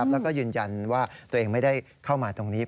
แล้วก็ยืนยันว่าตัวเองไม่ได้เข้ามาตรงนี้